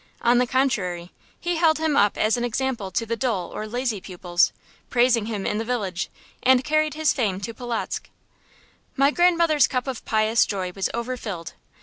On the contrary, he held him up as an example to the dull or lazy pupils, praised him in the village, and carried his fame to Polotzk. My grandmother's cup of pious joy was overfilled.